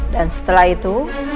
dan setelah itu